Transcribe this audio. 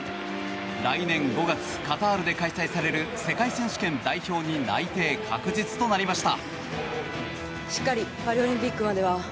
来年５月カタールで開催される世界選手権代表に内定確実となりました。